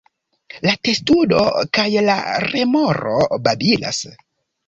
La testudo kaj la remoro babilas.